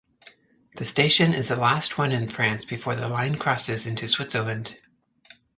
The station is the last one in France before the line crosses into Switzerland.